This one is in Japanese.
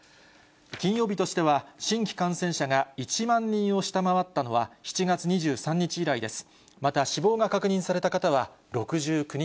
金曜日としては新規感染者が１万人を下回ったのは７月２３日以来でした。